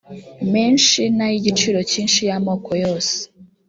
menshi n ay igiciro cyinshi y amoko yose